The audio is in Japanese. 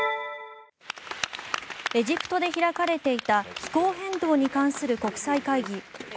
エジプトで開かれていた気候変動に関する国際会議